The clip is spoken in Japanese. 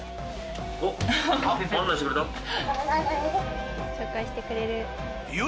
おっ案内してくれた？